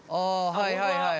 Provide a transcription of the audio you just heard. はいはいはい。